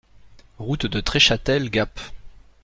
Route de Treschâtel, Gap